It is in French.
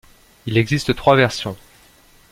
Il existe trois versions.